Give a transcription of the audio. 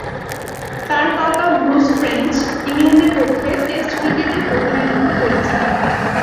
তার কাকা Bruce French ইংল্যান্ডের পক্ষে টেস্ট ক্রিকেটে প্রতিনিধিত্ব করেছেন।